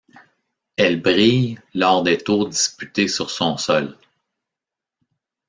Elle brille lors des tours disputés sur son sol.